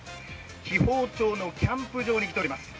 紀宝町のキャンプ場に来ております。